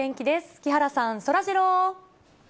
木原さん、そらジロー。